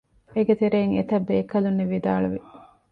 އޭގެތެރެއިން އެތައްބޭކަލުންނެއް ވިދާޅުވި